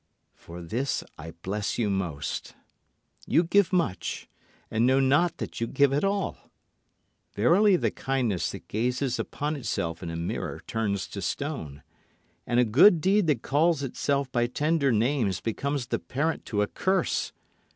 For this I bless you most: You give much and know not that you give at all. Verily the kindness that gazes upon itself in a mirror turns to stone, And a good deed that calls itself by tender names becomes the parent to a curse.